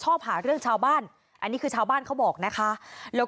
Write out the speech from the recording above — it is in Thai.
ขณะเดียวกันคุณอ้อยคนที่เป็นเมียฝรั่งคนนั้นแหละ